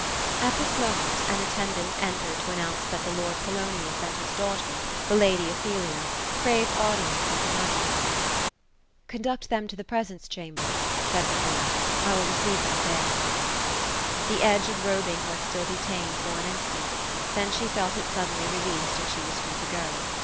At this moment, an attendant entered to announce that the lord Polonius and his daughter, the lady Ophelia, craved audience of her majesty. " Conduct them to the presence chamber ;" said the queen ;^ I will receive them there." The edge of robing was still detained for an instant ; then she felt it suddenly released, and she was free to go.